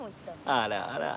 あらあら。